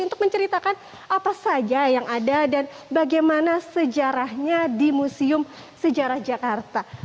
untuk menceritakan apa saja yang ada dan bagaimana sejarahnya di museum sejarah jakarta